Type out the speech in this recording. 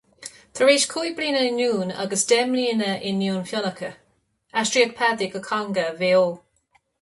Tar éis cúig bliana i nDún agus deich mbliana i nDún Fionnachaidh, aistríodh Paddy go Conga Mhaigh Eo.